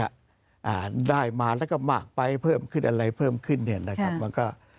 อ่าได้มาแล้วก็มากไปเพิ่มขึ้นอะไรเพิ่มขึ้นเนี่ยนะครับมันก็